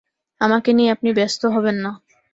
আমাকে নিয়ে আপনি ব্যস্ত হবেন না।